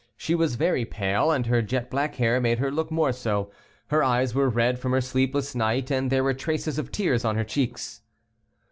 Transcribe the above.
She was very pale, and her jet black hair made her look more so; her eyes were red from her sleepless night, and there were traces of tears on her cheeks.